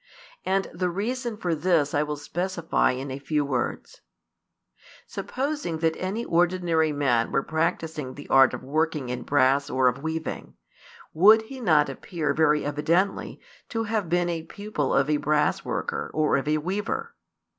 And the reason for this I will specify in a few words. Supposing that any ordinary man were practising the art of working in brass or of weaving, would he not appear very evidently to have been a pupil of a brassworker or of a weaver?